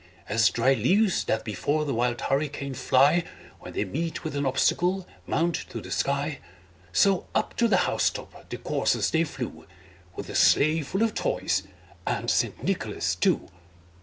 As dry leaves that before the wild hurricane fly, When they meet with an obstacle, mount to the sky, So, up to the house top the coursers they flew, With a sleigh full of toys and St. Nicholas too.